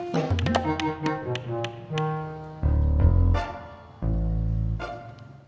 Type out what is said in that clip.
saya dijemput tes arena tes arenanya udah dateng